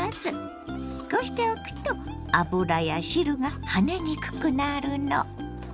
こうしておくと油や汁が跳ねにくくなるの。